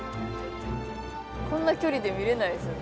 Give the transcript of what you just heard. こんな距離で見れないですよね。